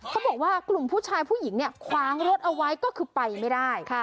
เขาบอกว่ากลุ่มผู้ชายผู้หญิงเนี่ยคว้างรถเอาไว้ก็คือไปไม่ได้